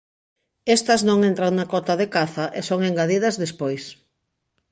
Estas non entran na cota de caza e son engadidas despois.